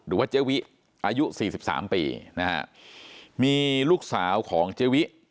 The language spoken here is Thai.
หรือว่าเจวิอายุสี่สิบสามปีนะฮะมีลูกสาวของเจวิ